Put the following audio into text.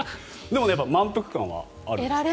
でも満腹感はある。